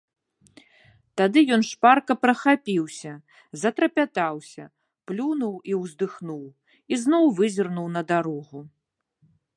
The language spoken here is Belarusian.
Тады ён шпарка прахапіўся, затрапятаўся, плюнуў і ўздыхнуў і зноў вызірнуў на дарогу.